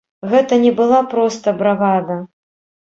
Гэта не была проста бравада.